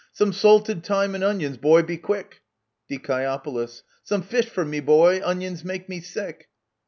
Some salted thyme and onions, boy, be quick ! Die. Some fish for me, boy : onions make me sick